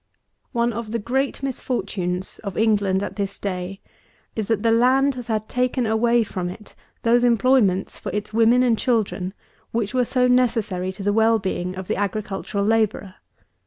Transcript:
One of the great misfortunes of England at this day is, that the land has had _taken away from it those employments for its women and children which were so necessary to the well being of the agricultural labourer_.